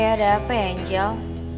ya ada apa ya angel